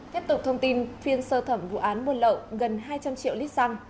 tiếp tục thông tin phiên sơ thẩm vụ án buôn lậu gần hai trăm linh triệu lít xăng